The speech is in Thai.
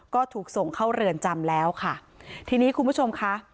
ก็ถูกส่งเข้าเรือนจำแล้วค่ะทีนี้คุณผู้ชมค่ะ